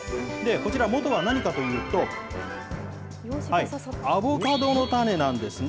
こちら、元は何かというと、アボカドの種なんですね。